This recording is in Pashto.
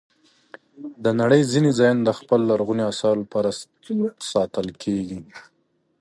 د نړۍ ځینې ځایونه د خپلو لرغونو آثارو لپاره ساتل کېږي.